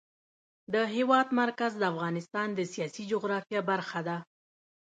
د هېواد مرکز د افغانستان د سیاسي جغرافیه برخه ده.